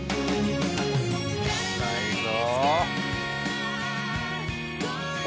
うまいぞ。